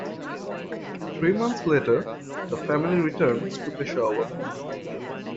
Three months later, the family returned to Peshawar.